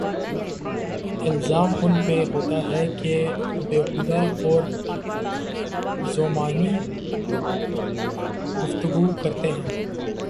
الزام ان پہ ہوتاہے کہ بیہودہ اورذومعنی گفتگو کرتے ہیں۔